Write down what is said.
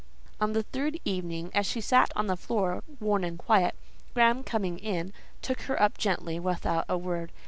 On the third evening, as she sat on the floor, worn and quiet, Graham, coming in, took her up gently, without a word.